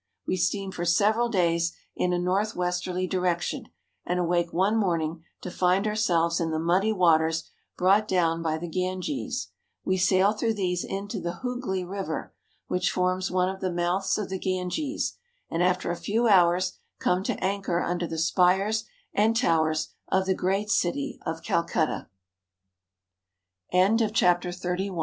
We steam for several days in a northwesterly direction and awake one morning to find ourselves in the muddy waters brought down by the Ganges. We sail through these into the Hugli River, which forms one of the mouths of the Ganges, and after a few hours come to anchor under the spires and towers of the g